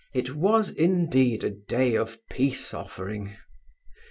It was, indeed, a day of peace offering.